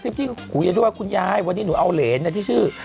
พูดอย่างนั้นว่าคุณยายวันนี้หนูเอาเหรนที่ชื่อ